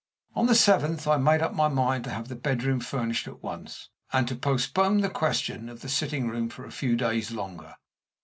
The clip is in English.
On the seventh I made up my mind to have the bedroom furnished at once, and to postpone the question of the sitting room for a few days longer.